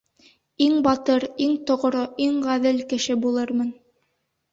Иң батыр, иң тоғро, иң ғәҙел кеше булырмын...